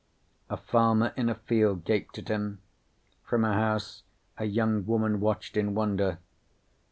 A farmer in a field gaped at him. From a house a young woman watched in wonder.